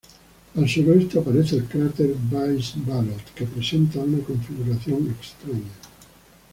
Al suroeste aparece el cráter Buys-Ballot, que presenta una configuración extraña.